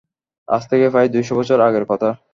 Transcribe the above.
আজ থেকে প্রায় দুই শ বছর আগের কথা।